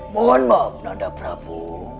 mohon maaf nanda prabu